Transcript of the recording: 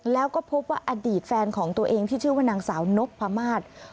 แล้วก็พบว่าอดีตแฟนของตัวเองที่ชื่อว่านางสาวนพมาศ